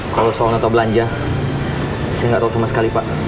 kalau soal nota belanja saya nggak tahu sama sekali pak